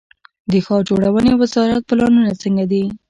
د ښار جوړونې وزارت پلانونه څنګه دي؟